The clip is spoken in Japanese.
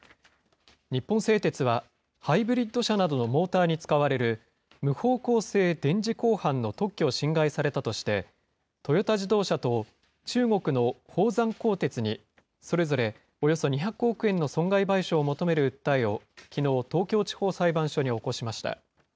日本製鉄は、ハイブリッド車などのモーターに使われる、無方向性電磁鋼板の特許を侵害されたとして、トヨタ自動車と中国の宝山鋼鉄に、それぞれおよそ２００億円の損害賠償を求める訴えをきのう、東京地方裁判所に起こしました。